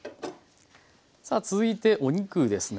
さあ続いてお肉ですね。